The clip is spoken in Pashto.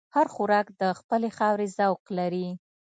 هر خوراک د خپلې خاورې ذوق لري.